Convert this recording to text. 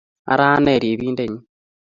Ara ane ribindenyi